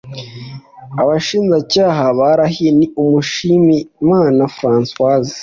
Abashinjacyaha barahiye ni Mushimiyimana Françoise